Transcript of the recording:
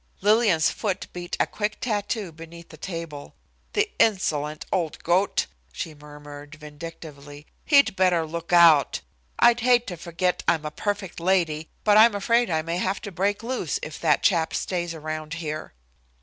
Lillian's foot beat a quick tattoo beneath the table. "The insolent old goat," she murmured, vindictively. "He'd better look out. I'd hate to forget I'm a perfect lady, but I'm afraid I may have to break loose if that chap stays around here."